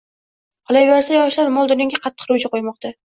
Qolaversa, yoshlar mol-dunyoga qattiq ruju qo‘ymoqda.